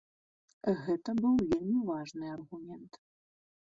Гэта быў вельмі важны аргумент.